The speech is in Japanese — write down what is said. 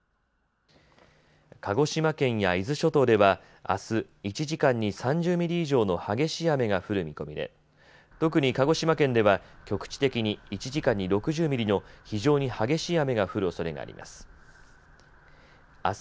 鹿児島県や伊豆諸島では、あす１時間に３０ミリ以上の激しい雨が降る見込みで特に鹿児島県では局地的に１時間に６０ミリの非常に激しい雨が降るおそれがあります。